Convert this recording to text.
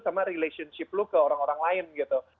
sama relationship lo ke orang orang lain gitu